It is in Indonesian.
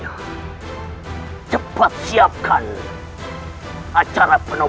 ayo kita segera pergi